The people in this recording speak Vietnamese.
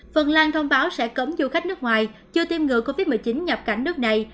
phần lan thông báo sẽ cấm du khách nước ngoài chưa tiêm ngừa covid một mươi chín nhập cảnh nước này